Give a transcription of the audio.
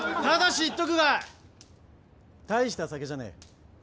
ただし言っとくが大した酒じゃねえ。